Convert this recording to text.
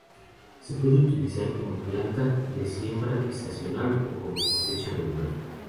Se puede utilizar como planta de siembra estacional o como cosecha regular.